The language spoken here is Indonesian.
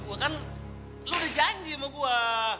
gua kan lu udah janji sama gua